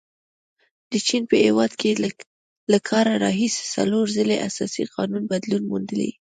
د چین په هیواد کې له کال راهیسې څلور ځلې اساسي قانون بدلون موندلی.